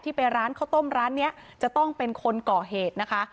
ไปร้านข้าวต้มร้านนี้จะต้องเป็นคนก่อเหตุนะคะ